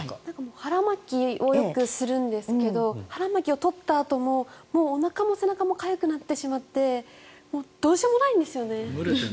腹巻きをよくするんですが腹巻きを取ったあとももう、おなかも背中もかゆくなってしまってどうしようもないんですよね。